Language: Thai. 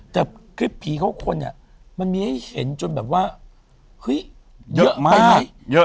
แต่คลิปผีเข้าคนเนี่ยมันมีให้เห็นจนแบบว่าเฮ้ยเยอะไหม